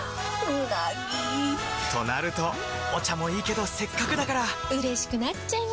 うなぎ！となるとお茶もいいけどせっかくだからうれしくなっちゃいますか！